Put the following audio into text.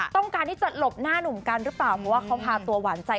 ต้องการที่จะหลบหน้าหนุ่มกันหรือเปล่าเพราะว่าเขาพาตัวหวานใจ